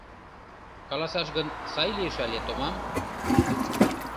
Каласаш гын, сай лиеш але томам?